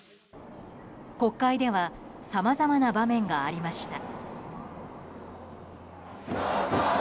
国会ではさまざまな場面がありました。